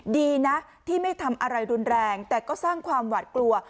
ดีนะที่ไม่ทำอะไรรุนแรงแต่ก็สร้างความหวาดกลัว